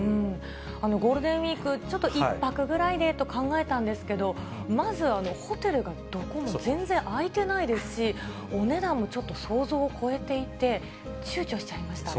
ゴールデンウィーク、ちょっと１泊ぐらいでと考えたんですけど、まず、ホテルがどこも全然空いてないですし、お値段もちょっと想像を超えていて、ちゅうちょしちゃいましたね。